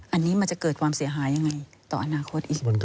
อันนี้มันจะเกิดความเสียหายยังไงต่ออนาคตอีก